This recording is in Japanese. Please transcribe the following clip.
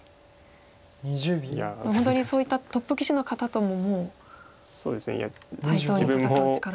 本当にそういったトップ棋士の方とももう対等に戦う力は。